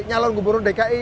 nyalon gubernur dki